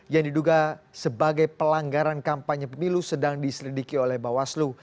yang diduga sebagai pelanggaran kampanye pemilu sedang diselidiki oleh bawaslu